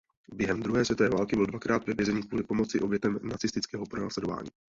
Během druhé světové války byl dvakrát ve vězení kvůli pomoci obětem nacistického pronásledování.